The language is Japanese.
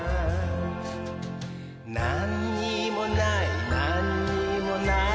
なんにもないなんにもない